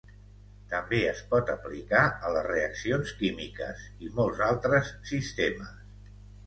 També es pot aplicar a les reaccions químiques i molts altres sistemes.